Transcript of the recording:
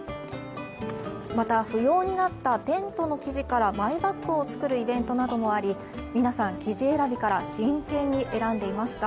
また不要になったテントの生地からマイバッグを作るイベントもあり皆さん生地選びから真剣に選んでいました。